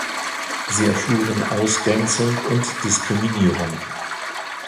Sie erfuhren Ausgrenzung und Diskriminierung.